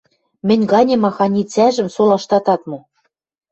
– Мӹнь ганем аханицӓжӹм солаштат ат мо.